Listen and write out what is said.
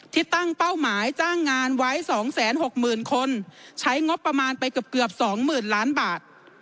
ที่ตั้งเป้าหมายจ้างงานไว้๒๖๐๐๐คนใช้งบประมาณไปเกือบ๒๐๐๐ล้านบาท